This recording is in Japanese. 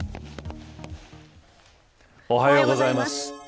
おはようございます。